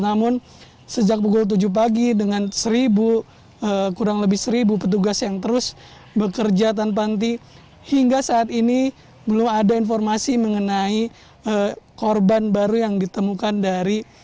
namun sejak pukul tujuh pagi dengan kurang lebih seribu petugas yang terus bekerja tanpa henti hingga saat ini belum ada informasi mengenai korban baru yang ditemukan dari